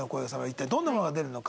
一体どんなものが出るのか。